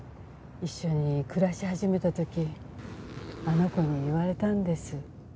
一緒に暮らし始めた時あの子に言われたんです。